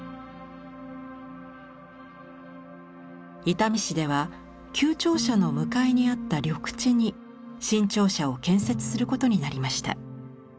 伊丹市では旧庁舎の向かいにあった緑地に新庁舎を建設することになりました。